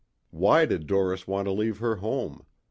Why did Doris want to leave her home?